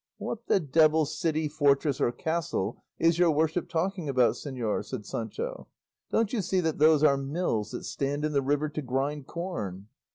"What the devil city, fortress, or castle is your worship talking about, señor?" said Sancho; "don't you see that those are mills that stand in the river to grind corn?"